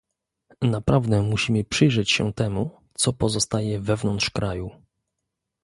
Naprawdę musimy przyjrzeć się temu, co pozostaje wewnątrz kraju